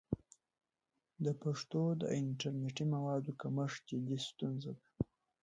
د پښتو د انټرنیټي موادو کمښت جدي ستونزه ده.